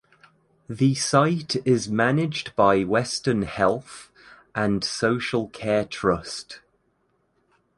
The site is managed by Western Health and Social Care Trust.